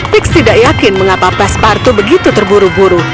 fik tidak yakin mengapa pastor patu begitu terburu buru